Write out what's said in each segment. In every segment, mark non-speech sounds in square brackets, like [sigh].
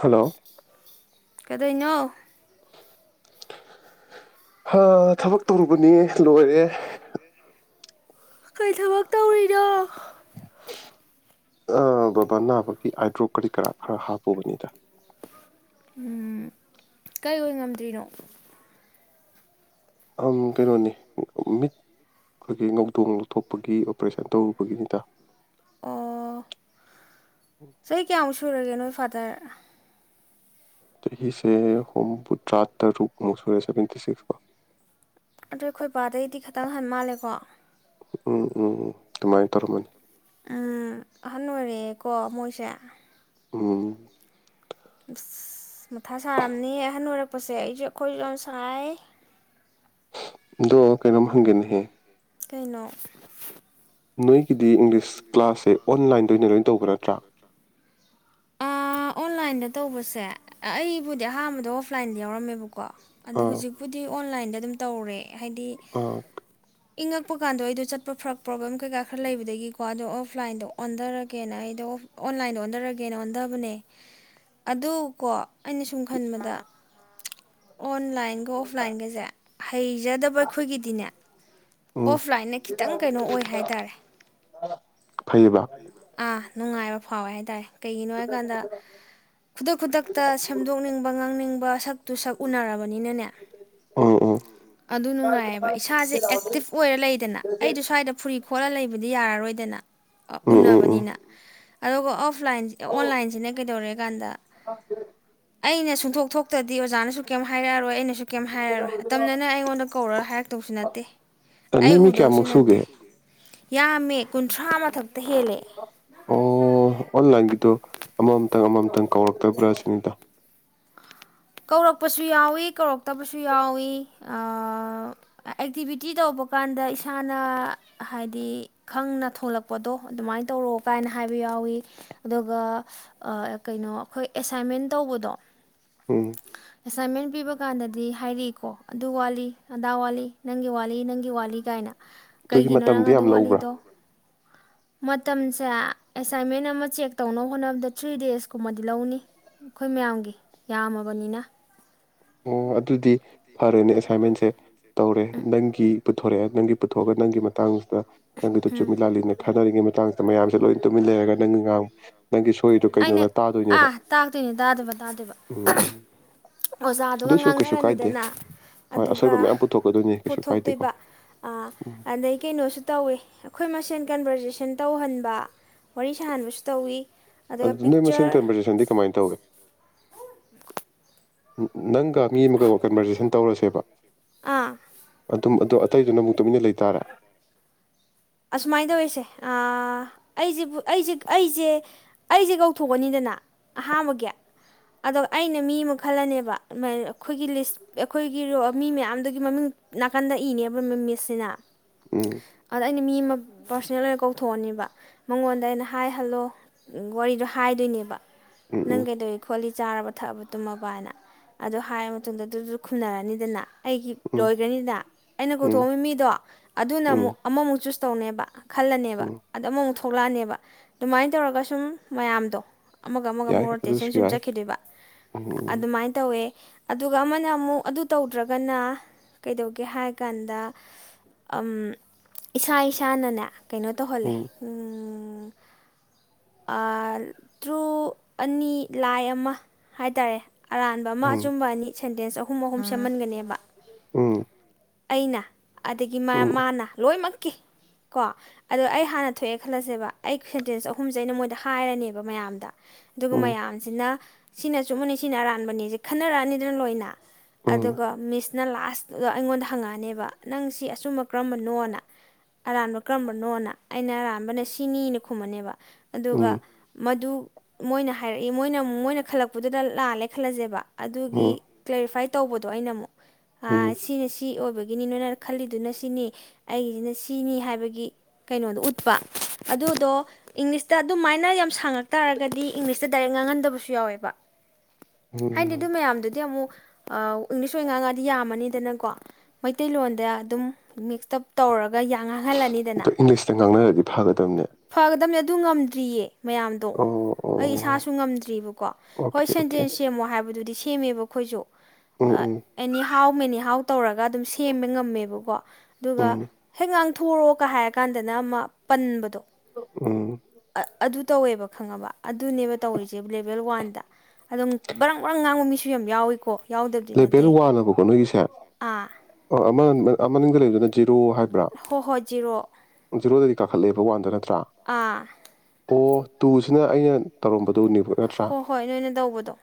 Hello ꯀꯗꯩꯅꯣ ꯊꯕꯛ ꯇꯧꯔꯨꯕꯅꯤ ꯂꯣꯏꯔꯦ ꯀꯔꯤ ꯊꯕꯛ ꯇꯧꯔꯤꯅꯣ ꯑ ꯕꯕꯥ ꯅꯥꯕꯒꯤ ꯑꯥꯏꯗ꯭ꯔꯣꯞ ꯀꯔꯤ ꯀꯔꯥ ꯈꯔ ꯍꯥꯞꯄꯨꯕꯅꯤꯗ ꯎꯝ ꯀꯩ ꯑꯣꯏ ꯉꯝꯗ꯭ꯔꯤꯅꯣ ꯑꯥꯪ ꯀꯩꯅꯣꯅꯤ ꯃꯤꯠ ꯑꯩꯈꯣꯏꯒꯤ ꯉꯧꯗꯣꯡ ꯂꯧꯊꯣꯛꯄꯒꯤ ꯑꯣꯄ꯭ꯔꯦꯁꯟ ꯇꯧꯔꯨꯕꯒꯤꯅꯤꯗ ꯑꯣ ꯆꯍꯤ ꯀꯌꯥꯃꯨꯛ ꯁꯨꯔꯒꯦꯅꯣ ꯐꯥꯗꯔ ꯆꯍꯤꯁꯦ ꯍꯣꯄꯨꯗ꯭ꯔꯇꯔꯨꯛꯃꯨ ꯁꯨꯔꯦ ꯁꯚꯦꯟꯇꯤ ꯁꯤꯁꯀ ꯑꯗꯣ ꯑꯩꯈꯣꯏꯕꯥꯗꯩꯗꯤ ꯈꯤꯇꯪ ꯍꯟ ꯃꯥꯜꯂꯦꯀꯣ ꯎꯝ ꯎꯝ ꯎꯝ ꯗꯨꯃꯥꯏ ꯇꯧꯔꯝꯃꯅꯤ ꯑꯥ ꯑꯍꯟ ꯑꯣꯏꯔꯛꯑꯦꯀꯣ ꯃꯣꯏꯁꯦ ꯎꯝ ꯑꯁ ꯃꯊꯥ ꯁꯥꯔꯝꯅꯤ ꯑꯍꯟ ꯑꯣꯏꯔꯛꯄꯁꯦ ꯑꯩꯁꯨ ꯑꯩꯈꯣꯏꯁꯨ ꯌꯥꯝ ꯁꯥꯏ ꯗꯣ ꯀꯩꯅꯣꯝ ꯍꯦꯒꯦꯅꯍꯦ ꯀꯩꯅꯣ ꯅꯣꯏ ꯗꯤ ꯏꯪꯂꯤꯁ ꯀ꯭ꯂꯥꯁꯁꯦ ꯑꯣꯟꯂꯥꯏꯟꯗ ꯑꯣꯏꯅ ꯂꯣꯏ ꯇꯧꯕ ꯅꯠꯇ꯭ꯔꯥ ꯑꯥ ꯑꯣꯟꯂꯥꯏꯟꯗ ꯇꯧꯕꯁꯦ ꯑꯩꯕꯨꯗꯤ ꯑꯍꯥꯟꯕꯗ ꯑꯣꯐꯂꯥꯏꯟꯗ ꯌꯥꯎꯔꯝꯃꯦꯕꯀꯣ ꯀꯣ ꯑꯗꯣ ꯑꯥ ꯍꯧꯖꯤꯛꯄꯨꯗꯤ ꯑꯣꯟꯂꯥꯏꯟꯗ ꯑꯗꯨꯝ ꯇꯧꯔꯦ ꯍꯥꯏꯗꯤ ꯑꯥ ꯏꯉꯛ ꯄ ꯀꯥꯟꯗꯥ ꯑꯩꯗꯣ ꯆꯠꯄ ꯐꯔ ꯄ꯭ꯔꯣꯕ꯭ꯂꯦꯝ ꯀꯩꯀꯥ ꯈꯔ ꯂꯩꯕ ꯑꯗꯒꯤꯀꯣ ꯑꯗꯣ ꯑꯣꯐꯂꯥꯏꯟꯗꯣ ꯑꯣꯟꯊꯔꯒꯦꯅ ꯑꯩꯗꯣ ꯑꯣꯟꯂꯥꯏꯟꯗ ꯑꯣꯟꯊꯔꯒꯦꯅ ꯑꯣꯟꯊꯕꯅꯦ ꯑꯗꯨꯀꯣ ꯑꯩꯅ ꯁꯨꯝ ꯈꯟꯕꯗ ꯑꯣꯟꯂꯥꯏꯟꯒ ꯑꯣꯐꯂꯥꯏꯟꯒꯁꯦ ꯍꯩꯖꯗꯕ ꯑꯩꯈꯣꯏꯒꯤꯗꯤꯅꯦ ꯎꯝ ꯑꯣꯐꯂꯥꯏꯟꯗ ꯈꯤꯇꯪ ꯀꯩꯅꯣ ꯑꯣꯏ ꯍꯥꯏꯇꯥꯔꯦ ꯐꯩꯌꯦꯕ ꯑꯥ ꯅꯨꯡꯉꯥꯏꯔ ꯐꯥꯎꯦ ꯇ ꯀꯩꯒꯤꯅꯣ ꯍꯥꯏꯀꯥꯟꯗ ꯈꯨꯗꯛ ꯈꯨꯗꯛꯇ ꯁꯦꯝꯗꯣꯛꯅꯤꯡꯕ ꯉꯥꯡꯅꯤꯡꯕ ꯁꯛꯇꯨ ꯁꯛ ꯎꯅꯔꯕꯅꯤꯅꯅꯦ ꯎꯝ ꯎꯝ ꯑꯗꯨ ꯅꯨꯡꯉꯥꯏꯌꯦꯕ ꯏꯁꯥꯁꯦ ꯇꯤꯞ ꯑꯣꯏꯔ ꯂꯩꯗꯅ ꯑꯩꯗꯣ ꯁ꯭ꯋꯥꯏꯗ ꯐꯨꯔꯤ ꯈꯣꯠꯂ ꯂꯩꯕꯗꯤ ꯌꯥꯔꯔꯣꯏꯗ ꯗꯅꯥ ꯑ ꯎꯝ ꯎꯝ ꯎꯝ ꯎꯟꯅꯅꯕꯅꯤꯅ ꯑ ꯑꯣꯐ ꯑꯣꯟꯂꯥꯏꯟꯁꯤꯅ ꯀꯩꯗꯧꯔꯦ ꯀꯥꯟꯗ ꯑꯩꯅ ꯆꯨꯝꯊꯣꯛ ꯊꯣꯛꯇ꯭ꯔꯗꯤ ꯑꯣꯖꯥꯅꯁꯨ ꯀꯩꯝ ꯍꯥꯏꯔꯛꯑꯔꯣꯏ ꯑꯩꯅ ꯨꯁꯨ ꯀꯩꯝ ꯍꯥꯏꯔꯔꯣꯏ ꯑꯇꯝꯅꯅ ꯑꯩꯉꯣꯟꯗ ꯀꯧꯔꯒ ꯍꯥꯏꯔꯛꯇꯧꯁꯨ ꯅꯠꯇꯦ ꯑꯩ ꯅꯤꯃꯤ ꯎꯗꯧꯁꯨ ꯀꯌꯥꯃꯨꯛ ꯅꯠꯇꯦ ꯁꯨꯒꯦ ꯌꯥꯝꯃꯦ ꯀꯨꯟꯊ꯭ꯔꯥ ꯃꯊꯛ ꯑꯣ ꯑꯣꯂꯥꯏꯟ ꯀꯣ ꯑꯃ ꯃꯇꯪ ꯑꯃꯃꯝꯇꯪ ꯀꯧꯔꯛꯇꯕ꯭ꯔꯥ ꯁꯤꯅꯤꯗ ꯀꯧꯔꯛꯄꯁꯨ ꯌꯥꯎꯏ ꯀꯧꯔꯛꯇꯕꯁꯨ ꯌꯥꯎꯏ ꯑꯦꯛꯇꯤꯚꯤꯇꯤ ꯇꯧꯕ ꯀꯥꯟꯗ ꯏꯁꯥꯅ ꯍꯥꯏꯗꯤ ꯈꯪꯅ ꯊꯣꯂꯛꯄꯗꯣ ꯑꯗꯨꯃꯥꯏꯅ ꯇꯧꯔꯑꯣ ꯀꯥꯏꯅ ꯍꯥꯏꯕ ꯌꯥꯎꯏ ꯑꯗꯨꯒ ꯀꯩꯅꯣ ꯑꯩꯈꯣꯏ ꯑꯦꯁꯥꯏꯟꯃꯦꯟ ꯇꯧꯕꯗꯣ ꯎꯝ ꯑꯦꯁꯥꯏꯟꯃꯦꯟ ꯄꯤꯕ ꯀꯥꯟꯗꯗꯤ ꯍꯥꯏꯔꯛꯏꯀꯣ ꯑꯗꯨ ꯋꯥꯠꯂꯤ ꯑꯗꯥ ꯋꯥꯠꯂꯤ ꯅꯪꯒꯤ ꯋꯥꯠꯂꯤ ꯅꯪꯒꯤ ꯋꯥꯠꯂꯤ ꯀꯥꯏꯅ ꯑꯗꯨꯗꯤ ꯀꯩꯒꯤꯅꯣ ꯅꯪ ꯃꯇꯝꯗꯤ ꯑꯗꯨ ꯌꯥꯝ ꯂꯧꯕ꯭ꯔꯥ ꯋꯥꯠꯂꯤꯗꯣ ꯃꯇꯝꯁꯦ ꯑꯦꯁꯥꯏꯟꯃꯦꯟ ꯑꯃ ꯆꯦꯛ ꯇꯧꯅꯕ ꯍꯣꯠꯅꯕꯗ ꯊ꯭ꯔꯤ ꯗꯦꯖꯀꯨꯝꯕꯗꯤ ꯂꯧꯅꯤ ꯑꯩꯈꯣꯏ ꯃꯌꯥꯝꯒꯤ ꯌꯥꯝꯃꯕꯅꯤꯅ ꯑꯣ ꯑꯗꯨꯗꯤ ꯐꯔꯦꯅꯦ ꯑꯦꯁꯥꯏꯟꯃꯦꯟꯁꯦ ꯇꯧꯔꯦ ꯅꯪꯒꯤ ꯄꯨꯊꯣꯔꯛꯑꯦ ꯅꯪꯒꯤ ꯄꯨꯊꯣꯛꯑꯒ ꯅꯪꯒꯤ ꯃꯇꯥꯡ ꯅꯪꯒꯤꯗ ꯆꯨꯝꯃꯤꯂꯥꯜꯂꯤꯅ ꯈꯥꯅꯔꯤꯉꯩ ꯃꯇꯥꯡꯁꯤꯗ ꯃꯌꯥꯝꯁꯦ ꯂꯣꯏ ꯇꯨꯃꯤꯟꯅ ꯂꯩꯔꯒ ꯅꯪꯥꯡ ꯅꯪꯒꯤ ꯁꯣꯏꯔꯤꯗꯣ ꯑꯩꯅ ꯀꯩꯅꯣꯅ ꯇꯥꯗꯣꯏꯅꯦꯕ ꯑꯥ ꯇꯥꯛꯇꯣꯏꯅꯦ ꯇꯥꯗꯕ ꯇꯥꯗꯣꯏꯕ ꯎꯝ ꯑꯣꯖꯥꯗꯨꯒ ꯑꯗꯨꯏꯁꯨ ꯀꯩꯁꯨ ꯀꯥꯏꯗꯦ ꯉꯥꯡꯅꯔꯅꯤꯗꯅ ꯍꯣꯏ ꯑꯗꯨꯒ ꯑꯁꯣꯏꯕ ꯃꯌꯥꯝ ꯄꯨꯊꯣꯛꯀꯗꯣꯏꯅꯤ ꯀꯩꯁꯨ ꯀꯥꯏꯗꯦꯀꯣ ꯄꯨꯊꯣꯛꯇꯣꯏꯕ ꯎꯝ ꯑꯗꯩ ꯀꯩꯅꯣꯁꯨ ꯇꯧꯋꯤ ꯑꯩꯈꯣꯏ ꯃꯁꯦꯟ ꯀꯟꯕꯔꯖꯦꯁꯟ ꯇꯧꯍꯟꯕ ꯋꯥꯔꯤ ꯁꯥꯍꯟꯕꯁꯨ ꯇꯧꯋꯤ ꯑꯗꯨꯒ ꯑꯗꯨ ꯅꯣꯏ ꯃꯁꯦꯟ ꯄꯤꯛꯆꯔ ꯀꯟꯚꯔꯖꯦꯁꯟꯗꯤ ꯀꯃꯥꯏꯅ ꯇꯧꯏ ꯑꯣ ꯎ [unintelligible] [inaudible] ꯅꯪꯒ ꯃꯤ ꯑꯃꯒ ꯀꯟꯕꯔꯖꯦꯁꯟ ꯇꯧꯔꯁꯦꯕ ꯑꯥ ꯇꯨꯝ ꯑꯗꯨ ꯑꯇꯩꯗꯨꯅ ꯑꯃꯨꯛ ꯇꯨꯃꯤꯟꯅ ꯂꯩꯇꯥꯔꯦ ꯑꯁꯨꯃꯥꯏꯅ ꯇꯧꯋꯁꯦ ꯑꯩꯁꯦꯕꯨ ꯑꯩꯁꯦ ꯑꯩꯁꯦ ꯑꯩꯁꯦ ꯀꯧꯊꯣꯛꯑꯅꯤꯗꯅ ꯑꯍꯥꯟꯕꯒꯤ ꯑꯗꯣ ꯑꯩꯅ ꯃꯤ ꯑꯃ ꯈꯜꯂꯅꯦꯕ ꯑꯗꯨꯥꯏ ꯑꯩꯈꯣꯏꯒꯤ ꯂꯤꯁ ꯑꯩꯈꯣꯏꯒꯤꯣ ꯃꯤ ꯃꯌꯥꯝꯗꯨꯒꯤ ꯃꯃꯤꯡ ꯅꯥꯀꯟꯗ ꯏꯅꯦꯕ ꯃꯤꯁꯁꯤꯅ ꯎꯝ ꯑꯗꯣ ꯑꯩꯅ ꯃꯤ ꯑꯃ ꯄꯥꯔꯁꯣꯅꯦꯜ ꯑꯣꯏꯅ ꯀꯧꯊꯣꯛꯑꯅꯦꯕ ꯃꯉꯣꯟꯗ ꯑꯩꯅ ꯍꯥꯏꯍꯜꯂꯣ ꯋꯥꯔꯤꯗꯣ ꯍꯥꯏꯗꯣꯏꯅꯦꯕ ꯎꯝ ꯎꯝ ꯅꯪ ꯀꯩꯗꯧ ꯈꯣꯂꯤ ꯆꯥꯔꯕ ꯊꯛꯑꯕ ꯇꯨꯝꯃꯄꯅ ꯑꯗꯣ ꯍꯥꯏꯔꯕ ꯃꯇꯨꯡꯗ ꯑꯗꯨꯗꯨꯗ ꯈꯨꯝꯅꯔꯅꯤꯗꯅ ꯑꯩꯒꯤ ꯎꯝ ꯂꯣꯏꯈ꯭ꯔꯅꯤꯗ ꯑꯩꯅ ꯎꯝ ꯀꯧꯊꯣꯛꯑꯝꯃꯤ ꯃꯤꯗꯣ ꯑꯗꯨꯅ ꯎꯝ ꯑꯃꯨꯛ ꯑꯃꯨꯛ ꯆꯨꯁ ꯇꯧꯅꯦꯕ ꯈꯜꯂꯅꯦꯕ ꯎꯝ ꯑꯗ ꯑꯃꯃꯨꯛ ꯊꯣꯛ ꯊꯣꯛꯂꯛꯑꯅꯦꯕ ꯑꯗꯨꯃꯥꯏꯅ ꯇꯧꯔꯒ ꯁꯨꯝ ꯃꯌꯥꯝꯗꯣ ꯑꯃꯒ ꯑꯃꯒ ꯌꯥꯏ ꯑꯃꯨꯛ ꯑꯗꯨꯁꯨ ꯔꯣꯇꯦꯁꯟ ꯁꯨꯝ ꯌꯥꯏ ꯆꯠꯈꯤꯗꯣꯏꯕ ꯎꯝ ꯑꯗꯨꯃꯥꯏꯅ ꯇꯧꯋꯦ ꯑꯗꯨꯒ ꯑꯃꯅ ꯑꯃꯨꯛ ꯑꯗꯨ ꯇꯧꯗ꯭ꯔꯒꯅ ꯀꯩꯗꯧꯒꯦ ꯍꯥꯏ ꯀꯥꯟꯗ ꯏꯁꯥ ꯏꯁꯥꯅꯅꯦ ꯀꯩꯅꯣ ꯇꯧꯍꯜꯂꯦ ꯎꯝ ꯇ꯭ꯔꯨ ꯑꯅꯤ ꯂꯥꯏ ꯑꯃ ꯍꯥꯏꯇꯥꯔꯦ ꯑꯔꯥꯟꯕ ꯑꯃ ꯎꯝ ꯎꯝ ꯑꯆꯨꯝꯕ ꯑꯅꯤ ꯁꯦꯟꯇꯦꯟꯁ ꯑꯍꯨꯝ ꯑꯍꯨꯝ ꯁꯦꯝꯍꯟꯒꯅꯦꯕ ꯑꯩꯅ ꯑꯗꯒꯤ ꯃꯥ ꯎꯝ ꯃꯥꯅ ꯂꯣꯏꯃꯛꯀꯤ ꯀꯣ ꯑꯗꯣ ꯑꯩ ꯍꯥꯟꯅ ꯊꯣꯛꯑꯦ ꯈꯜꯂꯁꯦꯕ ꯑꯩ ꯁꯦꯟꯇꯦꯟꯁ ꯑꯍꯨꯝꯁꯦ ꯑꯩꯅ ꯃꯣꯏꯗ ꯍꯥꯏꯔꯅꯦꯕ ꯃꯌꯥꯝꯗ ꯑꯗꯨꯒ ꯎꯝ ꯃꯌꯥꯝꯁꯤꯅ ꯁꯤꯅ ꯆꯨꯝꯕꯅꯤ ꯁꯤꯅ ꯑꯔꯥꯟꯕꯅꯤꯁꯦ ꯈꯟꯅꯔꯛꯑꯅꯤꯗꯅ ꯂꯣꯏꯅ ꯎꯝ ꯑꯗꯨꯒ ꯃꯤꯁꯅ ꯂꯥꯁ ꯑꯗ ꯑꯩꯉꯣꯟꯗ ꯐꯪꯉꯛꯅꯦꯕ ꯅꯪ ꯁꯤ ꯑꯆꯨꯝꯕ ꯀꯔꯝꯕꯅꯣꯅ ꯑꯔꯥꯟꯕ ꯀꯔꯝꯕꯅꯣꯅ ꯑꯩꯅ ꯑꯔꯥꯟꯕꯅ ꯁꯤꯅꯤꯅ ꯈꯨꯝꯕꯅꯦꯕ ꯎꯝ ꯑꯗꯨꯒ ꯃꯗꯨ ꯃꯣꯏꯅ ꯍꯥꯏꯔꯛꯏ ꯃꯣꯏꯅ ꯃꯣꯏꯅ ꯈꯜꯂꯛꯄꯗꯨꯗ ꯂꯥꯜꯂꯦ ꯈꯜꯂꯁꯦꯕ ꯎꯝ ꯑꯗꯨꯒꯤ ꯀ꯭ꯂꯦꯔꯤꯐꯥꯏꯠ ꯇꯧꯕꯗꯣ ꯑꯩꯅ ꯑꯃꯨꯛ ꯎꯝ ꯑ ꯁꯤꯅꯦ ꯁꯤ ꯑꯣꯏꯕꯒꯤꯅꯤ ꯅꯅ ꯈꯜꯂꯤꯗꯨꯅ ꯁꯤꯅꯤ ꯑꯩꯁꯤꯅ ꯁꯤꯅꯤ ꯍꯥꯏꯕꯒꯤ ꯀꯩꯅꯣꯗꯣ ꯎꯠꯄ ꯑꯗꯨꯗꯣ ꯏꯪꯂꯤꯁꯇ ꯑꯗꯨꯃꯥꯏꯅ ꯌꯥꯝ ꯁꯥꯡꯉꯛ ꯇꯥꯔꯒꯗꯤ ꯏꯪꯂꯤꯁꯇ ꯗꯥꯏꯔꯦꯛ ꯉꯥꯡꯍꯟꯗꯕꯁꯨ ꯌꯥꯎꯋꯦꯕ ꯋꯥ ꯍꯥꯏꯅꯤ ꯎꯝ ꯑꯗꯨ ꯃꯌꯥꯝꯗꯨꯗꯤ ꯑꯃꯨꯛ ꯏꯪꯂꯤꯁ ꯑꯣꯏꯅ ꯉꯥꯉꯥꯗꯤ ꯌꯥꯝꯃꯅꯤꯗꯅꯀꯣ ꯃꯩꯇꯩꯂꯣꯟꯗ ꯑꯗꯨꯝ ꯃꯤꯛꯁꯇꯞ ꯇꯧꯔꯛ ꯑꯇ ꯏꯪꯂꯤꯁꯇ ꯉꯥꯡꯅꯔꯗꯤ ꯐꯥꯒꯗꯕꯅꯦ ꯐꯒꯗꯕꯅꯤ ꯑꯗꯨ ꯉꯝꯗ꯭ꯔꯤꯌꯦ ꯃꯌꯥꯝꯗꯣ ꯑꯣ ꯑꯩ ꯏꯁꯥꯁꯨ ꯉꯝꯗ꯭ꯔꯤꯕꯀꯣ ꯍꯣꯏ ꯑꯣꯀꯦ ꯑꯣꯀꯦ ꯁꯦꯟꯇꯦꯟꯁ ꯁꯦꯝꯃꯣ ꯍꯥꯏꯕꯗꯨꯗꯤ ꯁꯤ ꯁꯦꯝꯃꯦꯕ ꯑꯩꯈꯣꯏꯁꯨ ꯎꯝ ꯎꯝ ꯑꯦꯅꯤ ꯍꯥꯎ ꯃꯦꯅꯤ ꯍꯥꯎ ꯇꯧꯔꯒ ꯑꯗꯨꯝ ꯁꯦꯝꯕ ꯉꯝꯃꯦꯕꯀꯣ ꯎꯝ ꯑꯗꯨꯒ ꯉꯥꯡꯊꯣꯔꯣꯒ ꯍꯥꯏꯔ ꯀꯥꯟꯗꯅ ꯑꯃ ꯄꯟꯕꯗꯣ ꯎꯝ ꯑ ꯑꯗꯨ ꯇꯧꯋꯦꯕ ꯈꯪꯉꯕ ꯑꯗꯨꯅꯦꯕ ꯇꯧꯔꯤꯁꯦ ꯂꯦꯚꯦꯜ ꯋꯥꯟꯗ ꯑꯗꯨꯝ ꯕꯪ ꯪ ꯉꯥꯡꯕ ꯃꯤꯁꯨ ꯌꯥꯝ ꯌꯥꯎꯏꯀꯣ ꯌꯥꯎꯗꯕꯗꯤ ꯂꯦꯄꯦꯜ ꯅꯠꯇꯦ ꯋꯥꯜꯂꯕꯀꯣ ꯅꯣꯏꯒꯤꯁꯦ ꯑꯥ ꯑꯣ ꯑꯃ ꯑꯃꯥꯡꯅꯤꯡ ꯂꯩꯅ ꯍꯣ ꯍꯣꯏ ꯖꯤꯔꯣ [inaudible] ꯀꯥꯈꯠꯂꯦꯕ ꯋꯥꯗ ꯅꯠꯇꯦ ꯑꯥ ꯑꯣ ꯇꯨꯁꯤꯅ ꯑꯩꯅ ꯇꯧꯔꯝꯕꯗ ꯍꯣ ꯍꯣꯏ ꯅꯣꯏꯅ ꯇꯧꯕꯗꯣ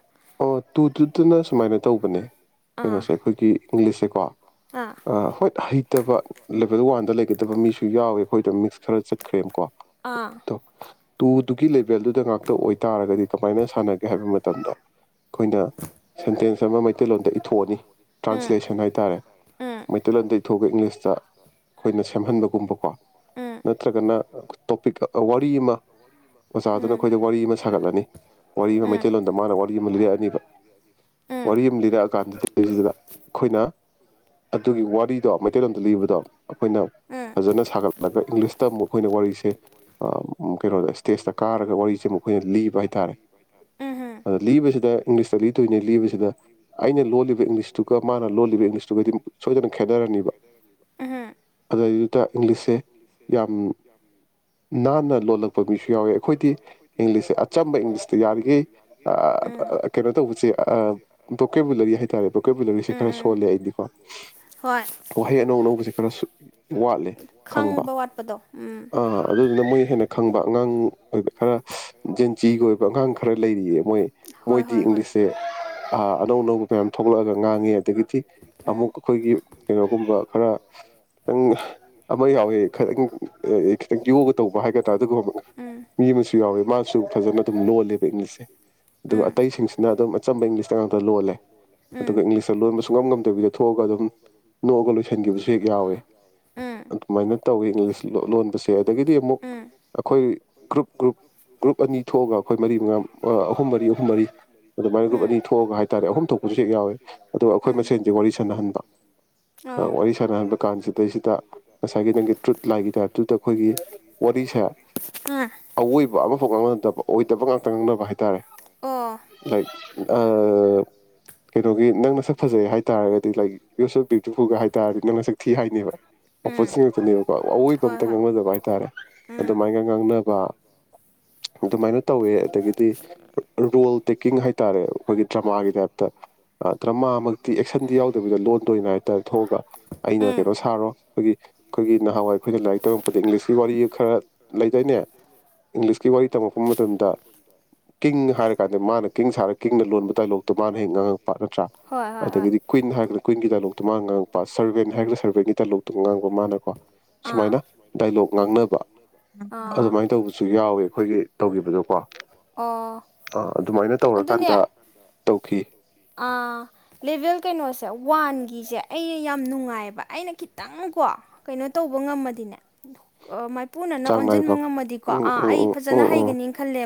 ꯑꯣ ꯇꯨ ꯇꯅ ꯁꯨꯥꯏꯅ ꯇꯧꯕꯅꯦ ꯑꯥ ꯀꯩꯅꯣꯁꯦ ꯑꯩꯈꯣꯏꯒꯤ ꯏꯪꯂꯤꯁꯦꯀꯣ ꯑꯥ ꯑ ꯍꯣꯏ ꯍꯥꯏ ꯠꯇꯕ ꯂꯦꯕꯦꯜ ꯋꯥꯟꯗ ꯂꯩꯒꯗꯕ ꯃꯤꯁꯨ ꯌꯥꯎꯋꯦ ꯑꯩꯈꯣꯏꯗ ꯃꯤꯛꯁ ꯈꯔ ꯆꯠꯈ꯭ꯔꯦꯕꯀꯣ ꯑꯥ ꯑꯗꯣ ꯇꯨꯗꯨꯒꯤ ꯂꯦꯚꯦꯜꯗꯨꯗ ꯉꯥꯛꯇ ꯑꯣꯏꯇꯥꯔꯒꯗꯤ ꯀꯃꯥꯏꯅ ꯁꯥꯟꯅꯒꯦ ꯍꯥꯏꯕ ꯃꯇꯝꯗ ꯑꯩꯈꯣꯏꯅ ꯁꯦꯟꯇꯦꯟꯁ ꯁꯃ ꯃꯩꯇꯩꯂꯣꯟꯗ ꯏꯊꯣꯛꯑꯅꯤ ꯎꯝ ꯇ꯭ꯔꯥꯟꯁꯂꯦꯁꯟ ꯍꯥꯏꯇꯥꯔꯦ ꯎꯝ ꯃꯩꯇꯩꯂꯣꯟꯗꯒꯤ ꯊꯣꯛꯄ ꯏꯪꯂꯤꯁꯇ ꯑꯩꯈꯣꯏꯅ ꯁꯦꯝꯍꯟꯕꯒꯨꯝꯕꯀꯣ ꯎꯝ ꯅꯠꯇ꯭ꯔꯒꯅ ꯇꯣꯄꯤꯛ ꯋꯥꯔꯤ ꯑꯃ ꯑꯣꯖꯥꯗꯨꯅ ꯎꯝ ꯑꯩꯈꯣꯏꯗ ꯋꯥꯔꯤ ꯑꯃ ꯁꯥꯒꯠꯂꯅꯤ ꯋꯥꯔꯤ ꯑꯃ ꯎꯝ ꯃꯩꯇꯩꯂꯣꯟꯗ ꯃꯥꯅ ꯋꯥꯔꯤ ꯑꯃ ꯂꯤꯔꯛꯑꯅꯤꯕ ꯎꯝ ꯋꯥꯔꯤ ꯑꯃ ꯂꯤꯔꯛꯑꯀꯥꯟꯗꯨꯗꯁꯤꯗ ꯑꯩꯈꯣꯏꯅ ꯑꯗꯨꯒꯤ ꯋꯥꯔꯤꯗꯣ ꯃꯩꯇꯩꯂꯣꯟꯣꯝꯗ ꯂꯤꯕꯗꯣ ꯑꯩꯈꯣꯏꯅ ꯎꯝ ꯐꯖꯅ ꯁꯥꯒꯠꯂꯒ ꯏꯪꯂꯤꯁꯇ ꯑꯃꯨꯛ ꯑꯩꯈꯣꯏꯅ ꯋꯥꯔꯤꯁꯦ ꯀꯩꯅꯣꯗ ꯏꯁꯇꯦꯖꯇ ꯀꯥꯔꯒ ꯋꯥꯔꯤꯁꯦ ꯃꯈꯣꯏꯅ ꯂꯤꯕ ꯍꯥꯏꯇꯥꯔꯦ ꯎꯝ ꯎꯝ ꯑꯗ ꯂꯤꯕꯁꯤꯗ ꯏꯪꯂꯤꯁꯇ ꯂꯤꯗꯣꯏꯅꯦ ꯑꯩꯅ ꯂꯣꯜꯂꯤꯕ ꯏꯪꯂꯤꯁꯇꯨꯒ ꯃꯥꯅ ꯂꯣꯜꯂꯤꯕ ꯏꯪꯂꯤꯁꯇꯨꯒꯗꯤ ꯁꯣꯏꯗꯅ ꯈꯦꯅꯔꯅꯤꯕ ꯑꯗꯨ ꯑꯗꯨꯩꯗꯨꯗ ꯏꯪꯂꯤꯁꯁꯦ ꯌꯥꯝ ꯅꯥꯟꯅ ꯂꯣꯜꯂꯛꯄ ꯅꯥꯟꯅ ꯃꯤꯁꯨ ꯌꯥꯎꯋꯦ ꯂꯣꯜꯂꯛꯄꯗꯨꯁꯨ ꯌꯥꯎꯋꯦ ꯑꯩꯈꯣꯏꯗꯤ ꯏꯪꯂꯤꯁꯁꯦ ꯑꯆꯝꯕ ꯏꯪꯂꯤꯁꯁꯦ ꯏꯪꯂꯤꯁꯇ ꯑꯆꯝꯕ ꯌꯥꯔꯤꯈꯩ ꯏꯪꯂꯤꯁꯇ ꯌꯥꯈꯤ ꯀꯩꯅꯣ ꯇꯧꯕꯔꯤꯁꯦ ꯗꯣꯀꯦꯕꯨꯂꯔꯤ ꯍꯥꯏꯇꯥꯔꯦ ꯣꯀꯦꯕꯨꯂꯔꯤꯁꯦ ꯈꯔ ꯁꯣꯜꯂꯦ ꯑꯩꯗꯤꯀꯣ ꯍꯣꯏ ꯋꯥꯍꯩ ꯑꯅꯧ ꯑꯅꯧꯕꯁꯦ ꯈꯔ ꯈꯪꯕ ꯋꯥꯠꯄꯗꯣ ꯎꯝ ꯑꯥ ꯑꯗꯨꯗꯨꯅ ꯃꯣꯏ ꯍꯦꯟꯅ ꯈꯪꯕ ꯑꯉꯥꯡ ꯑꯣꯏꯕ ꯈꯔ ꯤꯒꯤ ꯑꯣꯏꯕ ꯑꯉꯥꯡ ꯈꯔ ꯂꯩꯔꯤꯌꯦ ꯃꯣꯏ ꯃꯣꯏꯗꯤ ꯏꯪꯂꯤꯁꯁꯦ ꯑꯅꯧ ꯑꯅꯧꯕ ꯃꯌꯥꯝ ꯊꯣꯛꯂꯛꯑꯒ ꯉꯥꯡꯉꯦ ꯑꯗꯒꯤꯗꯤ ꯑꯃꯨꯛ ꯑꯩꯈꯣꯏꯒꯤ ꯀꯩꯅꯣꯒꯨꯝꯕ ꯈꯔ ꯈꯤꯇꯪ ꯑꯃ ꯌꯥꯎꯋꯦ ꯈꯤꯇꯪ ꯈꯤꯇꯪ ꯌꯣꯒ ꯇꯧꯕ ꯍꯥꯏꯒꯗ꯭ꯔꯥ ꯑꯗꯨꯒꯨꯝꯕ ꯃꯤ ꯑꯃꯁꯨ ꯌꯥꯎꯋꯦ ꯃꯥꯁꯨ ꯐꯖꯅ ꯑꯗꯨꯝ ꯂꯣꯜꯂꯦꯕ ꯏꯪꯂꯤꯁꯁꯦ ꯑꯗꯨꯒ ꯑꯇꯩꯁꯤꯡꯁꯤꯅ ꯑꯗꯨꯝ ꯑꯆꯝꯕ ꯏꯪꯂꯤꯁ ꯀꯩꯅꯣꯗ ꯂꯣꯜꯂꯦ ꯑꯗꯨꯒ ꯏꯪꯂꯤꯁꯇ ꯂꯣꯟꯕꯁꯨ ꯉꯝ ꯉꯝꯗꯕꯤꯗ ꯊꯣꯛꯑꯒ ꯑꯗꯨꯝ ꯅꯣꯛꯑꯒ ꯂꯣꯏꯁꯤꯟꯈꯤꯕꯁꯨ ꯍꯦꯛ ꯌꯥꯎꯏ ꯑꯗꯨꯃꯥꯏꯅ ꯇꯧꯋꯤ ꯏꯪꯂꯤꯁ ꯂꯣꯟꯕꯁꯦ ꯑꯗꯒꯤꯗꯤ ꯑꯃꯨꯛ ꯑꯩꯈꯣꯏ ꯒ꯭ꯔꯨꯞ ꯒ꯭ꯔꯨꯞ ꯒ꯭ꯔꯨꯞ ꯑꯅꯤ ꯊꯣꯛꯑꯒ ꯑꯩꯈꯣꯏ ꯃꯔꯤ ꯃꯉꯥ ꯑꯍꯨꯝ ꯃꯔꯤ ꯑꯍꯨꯝ ꯃꯔꯤ ꯑꯗꯨꯃꯥꯏ ꯒ꯭ꯔꯨꯞ ꯑꯅꯤ ꯊꯣꯛꯑꯒ ꯍꯥꯏꯇꯥꯔꯦ ꯑꯍꯨꯝ ꯊꯣꯛꯄꯁꯨ ꯍꯦꯛ ꯌꯥꯎꯋꯦ ꯑꯗꯣ ꯑꯩꯈꯣꯏ ꯃꯁꯦꯟꯁꯦ ꯋꯥꯔꯤ ꯁꯥꯟꯅꯍꯟꯕ ꯑ, ꯑꯣ ꯎꯝ ꯑꯣ ꯎꯝ ꯋꯥꯔꯤ ꯁꯥꯟꯅꯍꯟꯕ ꯀꯥꯟꯁꯤꯗꯩꯁꯤꯗ ꯉꯁꯥꯏꯒꯤ ꯅꯪꯒꯤ ꯇ꯭ꯔꯨꯠ ꯂꯥꯏꯒꯤ ꯇꯥꯏꯞꯇꯨꯗ ꯑꯩꯈꯣꯏꯒꯤ ꯋꯥꯔꯤꯁꯦ ꯀꯝꯄꯜꯁꯔꯤ ꯑꯣꯏꯕꯅꯦꯕꯀꯣ ꯑꯩꯈꯣꯏ ꯃꯐꯝ ꯑꯃꯇ ꯉꯥꯡꯅꯅꯕ ꯍꯥꯏꯇꯥꯔꯦ ꯑꯋꯣꯏꯕ ꯑꯃꯐꯥꯎ ꯑꯣꯏꯗꯕ ꯉꯥꯛꯇ ꯉꯥꯡꯅꯕ ꯍꯥꯏꯇꯥꯔꯦ ꯎꯝ ꯂꯥꯏꯛ ꯀꯩꯅꯣꯒꯤ ꯅꯪꯅ ꯁꯛ ꯐꯖꯩ ꯍꯥꯏꯇꯥꯥꯔꯒꯗꯤ ꯂꯥꯏꯛ ꯌꯨꯁ ꯑꯣꯐ ꯕꯌꯨꯇꯤꯐꯨꯜꯒ ꯍꯥꯏꯕꯇꯥꯥꯔꯗꯤ ꯅꯪꯅ ꯁꯛ ꯊꯤ ꯍꯥꯏꯅꯦꯕ ꯑꯣꯄꯣꯖꯤꯠ ꯉꯥꯛꯇꯅꯦꯕꯀꯣ ꯑꯋꯣꯏꯕ ꯑꯝꯇ ꯉꯥꯡꯅꯗꯕ ꯍꯥꯏꯇꯥꯥꯔꯦ ꯑꯗꯨꯃꯥꯏꯅꯒ ꯉꯥꯡꯅꯕ ꯑꯗꯨꯃꯥꯏꯅ ꯇꯧꯋꯦ ꯑꯗꯒꯤꯗꯤ ꯔꯣꯜ ꯇꯦꯛꯀꯤꯡ ꯍꯥꯏꯇꯥꯔꯦ ꯑꯩꯈꯣꯏꯒꯤ ꯗ꯭ꯔꯃꯥꯒꯤ ꯇꯥꯏꯞꯇ ꯗ꯭ꯔꯃꯥꯃꯛꯇꯤ ꯑꯦꯛꯁꯟꯗꯤ ꯌꯥꯎꯗꯕꯤꯗ ꯂꯣꯟꯗꯣꯏ ꯑꯣꯏꯅ ꯍꯥꯏꯇꯥꯔꯦ ꯊꯣꯛꯑꯒ ꯑꯩꯅ ꯀꯩꯅꯣ ꯁꯥꯔꯣ ꯑꯩꯈꯣꯏꯒꯤ ꯑꯩꯈꯣꯏꯒꯤ ꯅꯍꯥꯟꯋꯥꯏ ꯑꯩꯈꯣꯏꯅ ꯂꯥꯏꯔꯤꯛ ꯇꯝꯉꯛꯄꯗ ꯏꯪꯂꯤꯁꯀꯤ ꯋꯥꯔꯤ ꯈꯔ ꯂꯩꯗꯥꯏꯅꯦ ꯏꯪꯂꯤꯁꯀꯤ ꯋꯥꯔꯤ ꯇꯝꯃꯛꯛꯄ ꯃꯇꯝꯗ ꯀꯤꯡ ꯍꯥꯏꯔ ꯀꯥꯟꯗ ꯃꯥꯅ ꯀꯤꯡ ꯁꯥꯔꯛ ꯀꯡꯅ ꯂꯣꯟꯕ ꯗꯥꯏꯂꯣꯛꯇꯣ ꯃꯥꯅ ꯍꯦꯛ ꯉꯥꯡꯉꯛꯄ ꯅꯠꯇ꯭ꯔꯥ ꯍꯣꯏ ꯍꯣꯏ ꯍꯣꯏ ꯑꯗꯒꯤꯗꯤ ꯀꯨꯋꯤꯟꯟ ꯍꯥꯏꯔꯒꯅ ꯀꯋꯤꯟꯒꯤ ꯗꯥꯏꯂꯣꯛꯇꯣ ꯃꯥꯅ ꯉꯥꯡꯉꯛꯄ ꯁꯔꯕꯦꯟ ꯍꯥꯏꯔꯒꯅ ꯁꯔꯕꯦꯟꯒꯤ ꯗꯥꯏꯂꯣꯛꯇꯣ ꯉꯥꯡꯉꯕ ꯃꯥꯅꯀꯣ ꯑꯥ ꯁꯨꯃꯥꯏꯅ ꯗꯥꯏꯂꯣꯛ ꯉꯥꯡꯅꯕ ꯑꯥ ꯑꯗꯨꯃꯥꯏꯅ ꯇꯧꯕꯁꯨ ꯌꯥꯎꯋꯦꯕ ꯑꯩꯈꯣꯏꯒꯤ ꯇꯧꯈꯤꯕꯗꯣꯀꯣ ꯑꯥ ꯑꯗꯨꯃꯥꯏꯅ ꯇꯧꯔꯒ ꯑ ꯂꯦꯚꯦꯜ ꯀꯩꯅꯣꯁꯦ ꯋꯥꯟꯒꯤꯁꯦ ꯑꯩ ꯌꯥꯝ ꯅꯨꯡꯉꯥꯏꯑꯕ ꯑꯩꯅ ꯈꯤꯇꯪꯀꯣ ꯀꯩꯅꯣ ꯇꯧꯕ ꯉꯝꯃꯗꯤꯅꯦ ꯃꯥꯏꯄꯨꯅꯅ ꯆꯥꯡ ꯑꯣꯟꯁꯤꯟꯕ ꯅꯥꯏꯕ ꯉꯝꯃꯗꯤꯀꯣ ꯎꯝ ꯑꯥ ꯎꯝ ꯑꯩ ꯎꯝ ꯖꯅ ꯎꯝ ꯎꯝ ꯍꯩꯒꯅꯤ ꯈꯜꯂꯦ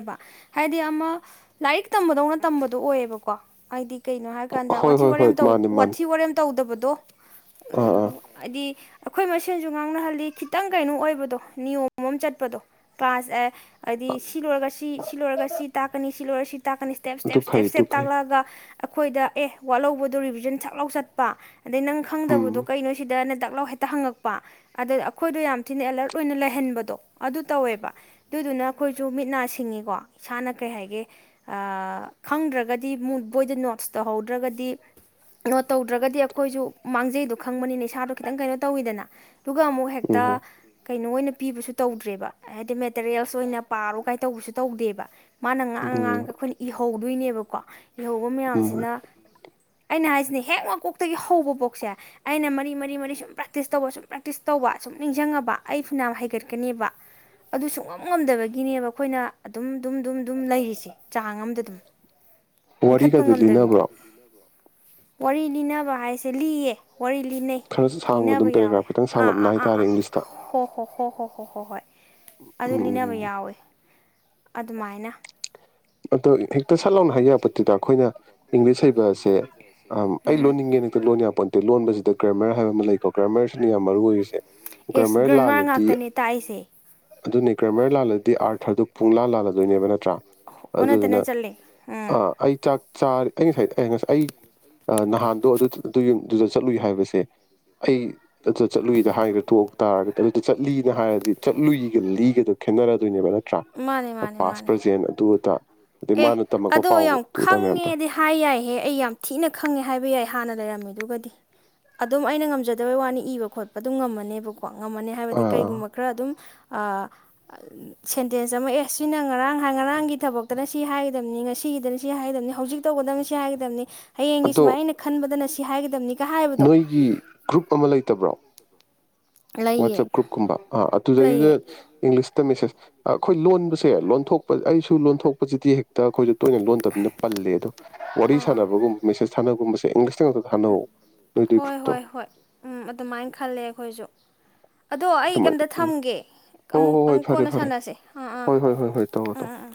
ꯍꯥꯏꯗꯤ ꯑꯃ ꯂꯥꯏꯔꯤꯛ ꯇꯝꯕꯗꯧꯅ ꯇꯝꯕꯗꯣ ꯑꯣꯏꯌꯦꯕꯀꯣ ꯍꯥꯏꯗꯤ ꯀꯩꯅꯣ ꯍꯥꯏꯔꯀꯥꯟꯗ ꯍꯣꯏ ꯋꯥꯊꯤ ꯍꯣꯏ ꯍꯣꯏ ꯋꯥꯔꯦꯝ ꯃꯥꯅꯤ ꯃꯥꯅꯤ ꯋꯥꯊꯤ ꯋꯥꯔꯦꯝ ꯇꯧꯗꯕꯗꯣ ꯗꯣ ꯑꯥ ꯑꯥ ꯎ ꯑꯗꯤ ꯑꯩꯈꯣꯏ ꯃꯁꯦꯟꯁꯨ ꯉꯥꯡꯅꯍꯜꯂꯤ ꯈꯤꯇꯪ ꯀꯩꯅꯣ ꯑꯣꯏꯕꯗꯣ ꯅꯤꯌꯣꯝꯃ ꯆꯠꯄꯗꯣ ꯀ꯭ꯂꯥꯁ ꯑꯦ ꯍꯥꯏꯗꯤ ꯁꯤ ꯂꯣꯏꯔꯒ ꯁꯤ ꯁꯤ ꯂꯣꯏꯔꯒ ꯁꯤ ꯇꯥꯛꯀꯅꯤ ꯁꯤ ꯂꯣꯏꯔ ꯁꯤ ꯇꯥꯛꯀꯅꯤ ꯏꯁꯇꯦ ꯁ ꯑꯗꯨ ꯏꯁꯇꯦꯞ ꯏꯁꯇꯦꯞ꯭ ꯐꯩ ꯑꯗꯨ ꯏꯁꯇꯦꯞ ꯐꯩ ꯇꯥꯛꯂꯛꯑꯒ ꯑꯩꯈꯣꯏꯗ ꯑꯦ ꯋꯥꯠꯍꯧꯕꯗꯣ ꯔꯤꯚꯤꯖꯟ ꯁꯛꯂꯧ ꯆꯠꯄ ꯑꯗꯩ ꯅꯪ ꯈꯪꯗꯕꯗꯣ ꯎꯝ ꯀꯩꯅꯣ ꯁꯤꯗ ꯅꯗ ꯄꯥꯛꯂꯥꯎ ꯍꯦꯛꯇ ꯍꯪꯉꯛꯄ ꯑꯗꯨꯗ ꯑꯩꯈꯣꯏꯗꯣ ꯌꯥꯝ ꯊꯤꯅ ꯑꯦꯂꯔꯠ ꯑꯣꯏꯅ ꯂꯩꯍꯟꯕꯗꯣ ꯑꯗꯨ ꯇꯧꯋꯦꯕ ꯑꯗꯨꯗꯨꯅ ꯑꯩꯈꯣꯏꯁꯨ ꯃꯤꯠ ꯅꯥ ꯁꯤꯡꯉꯤꯀꯣ ꯏꯁꯥꯅ ꯀꯩ ꯍꯥꯏꯒꯦ ꯈꯪꯗ꯭ꯔꯒꯗꯤ ꯕꯣꯏꯗ ꯅꯣꯠꯁ ꯇꯧꯍꯧꯗ꯭ꯔꯒꯗꯤ ꯅꯣꯠ ꯇꯧꯗ꯭ꯔꯒꯗꯤ ꯑꯩꯈꯣꯏꯁꯨ ꯃꯥꯡꯖꯩꯗꯣ ꯈꯪꯕꯅꯤꯅ ꯏꯁꯥꯗꯣ ꯈꯤꯇꯪ ꯀꯩꯅꯣ ꯇꯧꯋꯤꯗꯅ ꯑꯗꯨꯒ ꯑꯃꯨꯛ ꯎꯝ ꯍꯦꯛꯇ ꯀꯩꯅꯣ ꯑꯣꯏꯅ ꯄꯤꯕꯁꯨ ꯇꯧꯗ꯭ꯔꯦꯕ ꯍꯥꯏꯗꯤ ꯃꯦꯇꯦꯔꯤꯌꯦꯜꯁ ꯑꯣꯏꯅ ꯄꯥꯔꯣ ꯀꯥꯏ ꯇꯧꯕꯁꯨ ꯇꯧꯗꯦꯕ ꯃꯥꯅ ꯉꯥꯡꯉ - ꯎꯝ ꯉꯥꯡꯉꯒ ꯑꯩꯈꯣꯏꯅ ꯏꯍꯧꯗꯣꯏꯅꯦꯕꯀꯣ ꯏꯍꯧꯕ ꯎꯝ ꯃꯌꯥꯝꯁꯤꯅ ꯑꯩꯅ ꯍꯥꯏꯁꯤ ꯅꯦ ꯍꯦꯛ ꯃꯀꯣꯛꯇꯒꯤ ꯍꯧꯕ ꯄꯣꯛꯁꯦ ꯑꯩꯅ ꯃꯔꯤ ꯃꯔꯤ ꯃꯔꯤ ꯁꯨꯝ ꯄ꯭ꯔꯦꯛꯇꯤꯁ ꯇꯧꯕ ꯁꯨꯝ ꯄ꯭ꯔꯦꯛꯇꯤꯁ ꯇꯧꯕ ꯁꯨꯝ ꯅꯤꯡꯁꯤꯡꯉꯕ ꯑꯩ ꯐꯨꯅꯥꯝ ꯍꯩꯒꯠꯀꯅꯦꯕ ꯑꯗꯨ ꯁꯨꯡꯉꯝ ꯉꯝꯗꯕꯒꯤ ꯒꯤꯅꯦꯕ ꯑꯩꯈꯣꯏꯅ ꯑꯗꯨꯝ ꯑꯗꯨꯝ - ꯑꯗꯨꯝ - ꯑꯗꯨꯝ ꯂꯩꯔꯤꯁꯦ ꯆꯥꯡ ꯑꯃꯝꯗ ꯑꯗꯨꯝ ꯏꯟꯈꯠꯄ ꯋꯥꯔꯤꯒꯗꯤ ꯉꯝꯗꯕꯤꯗ ꯂꯤꯅꯕ꯭ꯔꯣ ꯋꯥꯔꯤ ꯂꯤꯅꯕ ꯍꯥꯏꯁꯦ ꯂꯤꯌꯦ ꯋꯥꯔꯤ ꯂꯤꯅꯩ ꯈꯔ ꯁꯥꯡꯅ ꯂꯤꯅꯕ ꯑꯗꯨꯝ ꯌꯥꯎꯋꯦ ꯄꯦꯔꯥꯒ꯭ꯔꯥꯐ ꯈꯤꯇꯪ ꯑꯥ ꯁꯥꯡꯂꯞꯅ ꯑꯥ ꯑꯥ ꯍꯥꯏꯇꯥꯔꯦ ꯑꯥ ꯏꯪꯂꯤꯁꯇ ꯍꯣ ꯍꯣ ꯍꯣ ꯍꯣ ꯍꯣ - ꯍꯣꯏ꯫ ꯑꯗꯨ ꯂꯤꯅꯕ ꯎꯝ ꯌꯥꯎꯋꯦ ꯑꯗꯨꯃꯥꯏꯅ [inaudible] ꯑꯗꯣ ꯍꯦꯛꯇ ꯁꯠ ꯂꯥꯎꯅ ꯍꯥꯏ ꯌꯥꯄꯣꯠꯇꯦꯗ ꯑꯩꯈꯣꯏꯅ ꯏꯪꯂꯤꯁ ꯍꯩꯕ ꯑꯁꯦ ꯑꯝ ꯑꯩ ꯂꯣꯟꯅꯤꯡꯉꯦꯅ ꯍꯦꯛꯇ ꯂꯣꯟ ꯌꯥꯄꯣꯟꯇꯦ ꯂꯣꯟꯕꯁꯤꯗ ꯒ꯭ꯔꯃꯔ ꯍꯥꯏꯕ ꯑꯃ ꯂꯩꯀꯣ ꯒ꯭ꯔꯃꯔꯁꯤꯅ ꯌꯥꯝ ꯃꯔꯨ ꯑꯣꯏꯔꯤꯁꯦ ꯑꯦꯁ ꯒ꯭ꯔꯃꯔ ꯒ꯭ꯔꯃꯥ ꯂꯥꯜꯂꯗꯤ ꯉꯥꯛꯇꯅꯦ ꯇꯥꯛꯏꯁꯦ꯫ ꯑꯗꯨꯅꯦ ꯒꯔꯃꯥꯔ ꯂꯥꯜꯂꯗꯤ ꯑꯥꯔꯊꯔꯗꯨ ꯄꯨꯡ ꯂꯥ ꯂꯥꯜꯂꯗꯣꯏꯅꯦꯕ ꯅꯠꯇ꯭ꯔꯥ ꯑꯣꯟꯅ ꯑꯗꯨꯗꯨꯅ ꯇꯩꯅ ꯆꯠꯂꯦ ꯑ ꯎꯝ ꯑꯩ ꯆꯥꯛ ꯥ ꯑꯩ ꯉꯁꯥꯏ ꯉꯁꯥꯏ ꯑꯩ ꯅꯍꯥꯟꯗꯣ ꯑꯗꯨ ꯑꯗꯨ ꯌꯨꯝꯗꯨꯗ ꯆꯠꯂꯨꯏ ꯍꯥꯏꯕꯁꯦ ꯑꯩ ꯑꯗꯨꯗ ꯆꯠꯂꯨꯏꯗ ꯍꯥꯏꯒꯗ ꯇꯣꯛ ꯇꯥꯔꯒꯗꯤ ꯑꯗꯨꯗ ꯆꯠꯂꯤꯅ ꯍꯥꯏꯔꯗꯤ ꯆꯠꯂꯨꯏꯒ ꯂꯤꯒꯗꯣ ꯈꯦꯠꯅꯔꯗꯣꯏꯅꯦꯕ ꯅꯠꯇ꯭ꯔ ꯃꯥꯅꯦ ꯃꯥꯅꯦ ꯄꯥꯁ ꯃꯥꯅꯦ ꯄ꯭ꯔꯖꯦꯟ ꯑꯗꯨ - ꯑꯗ ꯑꯦ ꯑꯗꯣ ꯌꯥꯝ ꯈꯪꯉꯦꯗꯤ ꯍꯥꯏ ꯌꯥꯏꯍꯦ ꯑꯩ ꯌꯥꯝ ꯊꯤꯅ ꯈꯪꯉꯦ ꯍꯥꯏꯕ ꯌꯥꯏ ꯑꯩ ꯍꯥꯟꯅ ꯂꯩꯔꯝꯃꯤꯗꯨꯒꯗꯤ ꯑꯗꯨꯝ ꯑꯩꯅ ꯉꯝꯖꯗꯕꯒꯤ ꯋꯥꯅꯤ ꯏꯕ ꯈꯣꯠꯄ ꯑꯗꯨꯝ ꯉꯝꯃꯅꯦꯕꯀ ꯀꯣ ꯉꯝꯃꯅꯤ ꯍꯥꯏꯕꯗꯤ ꯑꯥ ꯀꯩꯒꯨꯝꯕ ꯈꯔ ꯑꯗꯨꯝ ꯑꯥ ꯁꯦꯟꯇꯦꯟꯁ ꯑꯃ ꯑꯦ ꯁꯤꯅ ꯉꯔꯥꯡ ꯉꯔꯥꯡꯒꯤ ꯊꯕꯛꯇꯅ ꯁꯤ ꯍꯥꯏꯒꯗꯕꯅꯤ ꯉꯁꯤꯒꯤꯗꯅ ꯁꯤ ꯍꯥꯏꯒꯗꯕꯅꯤ ꯍꯧꯖꯤꯛ ꯇꯧꯒꯗꯕꯅꯤ ꯁꯤ ꯍꯥꯏꯒꯗꯕꯅꯤ ꯍꯌꯦꯡꯒꯤ ꯑꯗꯣ ꯁꯨꯃꯥꯏꯅ ꯑꯩꯅ ꯈꯟꯕꯗꯅ ꯁꯤ ꯍꯥꯏꯒꯗꯕꯅꯤ ꯅꯣꯏꯒꯤ ꯒ꯭ꯔꯨꯞ ꯑꯃ ꯂꯩꯇꯕ꯭ꯔꯣ? ꯂꯩꯌꯦ ꯋꯥꯠꯁꯑꯞ ꯭ꯔꯨꯨꯞ ꯀꯨꯝꯕ ꯑꯩ ꯑꯗꯨꯗꯩꯗ ꯂꯩꯌꯦ ꯏꯪꯂꯤꯁ ꯃꯦꯁꯦꯖ ꯑꯩꯈꯣꯏ ꯂꯣꯟꯕꯁꯦ ꯂꯣꯟꯊꯣꯛꯄ ꯑꯩꯁꯨ ꯂꯣꯟꯊꯣꯛꯄꯁꯤꯗꯤ ꯍꯦꯛ ꯇ ꯑꯩꯈꯣꯏꯁꯨ ꯇꯣꯏꯅ ꯂꯣꯟꯗꯕꯅꯤꯅ ꯄꯜꯂꯦ ꯑꯗꯣ ꯋꯥꯔꯤ ꯑꯥ ꯁꯥꯟꯅꯕꯒꯨꯝꯕ ꯃꯦꯁꯦꯁ ꯊꯥꯅꯒꯨꯝꯕꯁꯦ ꯏꯪꯂꯤꯁ ꯊꯥꯅꯧ ꯅꯣꯏꯗꯨꯒꯤ ꯍꯣꯏ - ꯒ꯭ꯔꯨꯞꯇꯣ ꯍꯣꯏ- ꯍꯣꯏ ꯎꯝ ꯑꯗꯨꯃꯥꯏꯅ ꯈꯜꯂꯦ ꯑꯩꯈꯣꯏꯁꯨ꯫ ꯑꯗꯣ ꯑꯩ ꯑꯗꯨꯃꯥꯏꯅ ꯀꯩꯝꯇ ꯎꯝ ꯊꯝꯒꯦ ꯍꯣꯏ ꯍꯣꯏ ꯑꯃꯨꯛ ꯍꯣꯏ ꯑꯃꯨꯛ ꯐꯔꯦ ꯀꯣꯟꯅ ꯐꯔꯦ ꯁꯥꯟꯅꯁꯦ ꯑꯥ ꯑꯥ ꯍꯣꯏ ꯍꯣꯏ ꯍꯣꯏ ꯍꯣꯏ ꯇꯧꯔꯣ ꯇꯧꯔꯣ ꯎꯝ ꯎꯝ ꯎꯝ꯫